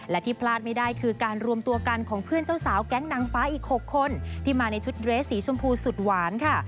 และที่พลาดไม่ได้คือการรวมตัวกันของเพื่อนเจ้าสาวแก๊งนางฟ้าอีก๖คนที่มาในชุดเรสสีชมพูสุดหวานค่ะ